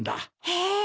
へえ。